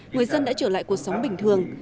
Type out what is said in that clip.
người dân đã trở lại cuộc sống bình thường